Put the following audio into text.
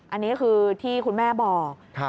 อันนี้คือที่คุณแม่บอก